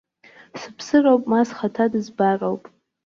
Сыԥсыроуп ма схаҭа дызбароуп!